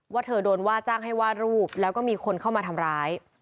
เธอโดนว่าจ้างให้วาดรูปแล้วก็มีคนเข้ามาทำร้าย